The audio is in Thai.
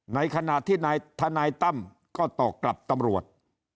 ในขณะที่ทนายตั้มก็ตอบกลับตำรวจ